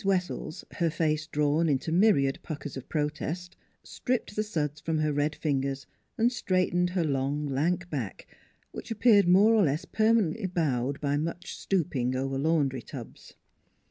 WESSELLS, her face drawn into myriad puckers of protest, stripped the suds from her red fingers and straight ened her long, lank back which appeared more or less permanently bowed by much stooping over laundry tubs.